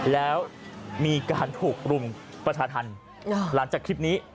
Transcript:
แล้วมีการถูกรุมประชาธรรมหลังจากคลิปนี้